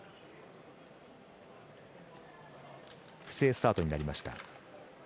不正スタートになりました。